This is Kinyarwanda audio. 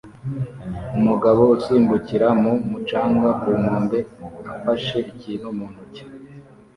Umugabo usimbukira mu mucanga ku nkombe afashe ikintu mu ntoki